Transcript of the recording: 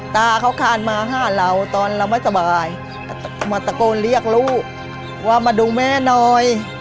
ตาเขาขานมา๕เหลือแล้วตอนเราไม่สบาย